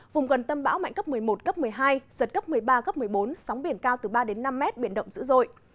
vùng gần tâm bão mạnh cấp một mươi một cấp một mươi hai giật cấp một mươi ba cấp một mươi bốn sóng biển cao từ ba đến năm mét biển động dữ dội